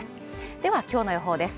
では今日の予報です。